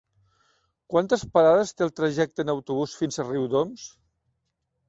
Quantes parades té el trajecte en autobús fins a Riudoms?